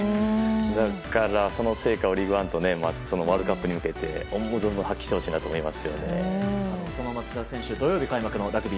だから、その成果をリーグワンとワールドカップに向けて思う存分発揮してほしいなと思います。